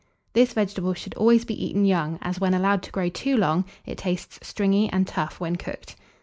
This vegetable should always be eaten young, as, when allowed to grow too long, it tastes stringy and tough when cooked.